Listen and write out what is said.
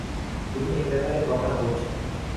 তুমি এ ব্যাপারে কথা বলছো।